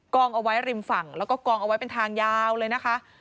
องเอาไว้ริมฝั่งแล้วก็กองเอาไว้เป็นทางยาวเลยนะคะ